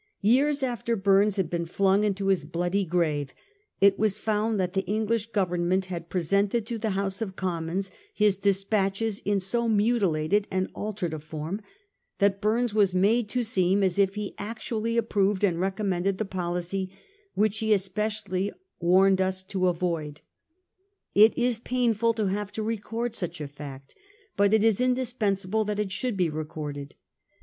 Years after Bumes had been flung into his bloody grave, it was found that the English Government had presented to the House of Commons his despatches in so mutilated and altered a form, that Burnes was made to seem as if he actu ally approved and recommended the policy which he especially warned us to avoid. It is painful to have to record such a fact, but it is indispensable that it should be recorded.